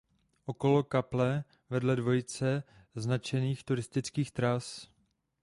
Okolo kaple vede dvojice značených turistických tras.